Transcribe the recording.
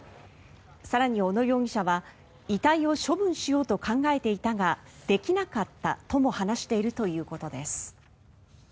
更に小野容疑者は遺体を処分しようと考えていたができなかったとも話しているということです。